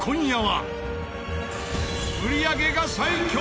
売り上げが最強！